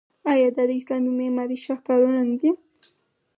آیا دا د اسلامي معمارۍ شاهکارونه نه دي؟